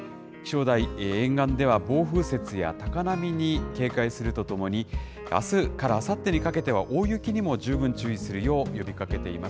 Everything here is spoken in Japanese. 気象台、沿岸では暴風雪や高波に警戒するとともに、あすからあさってにかけては、大雪にも十分注意するよう呼びかけています。